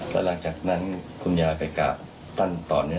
ผ่ากัดให้กราบทั้งแรก